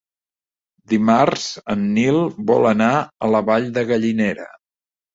Dimarts en Nil vol anar a la Vall de Gallinera.